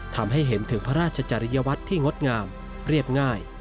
ทำให้เห็นถึงพระราชจริยวัตรที่งดงามเรียบง่าย